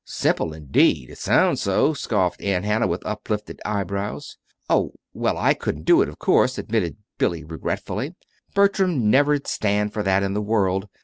"Simple, indeed! It sounds so," scoffed Aunt Hannah, with uplifted eyebrows. "Oh, well, I couldn't do it, of course," admitted Billy, regretfully. "Bertram never'd stand for that in the world.